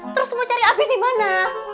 terus mau cari api di mana